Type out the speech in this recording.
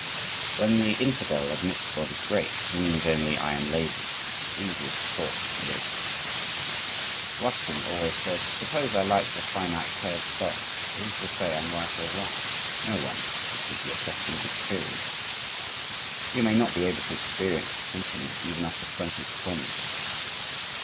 When the infidel admits God is great, he means only: "I am lazy it is easier to talk than live." Ruskin also says: "Suppose I like the finite curves best, who shall say I'm right or wrong? No one. It is simply a question of experience." You may not be able to experience a symphony, even after twenty performances.